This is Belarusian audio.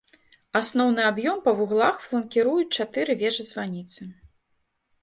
Асноўны аб'ём па вуглах фланкіруюць чатыры вежы-званіцы.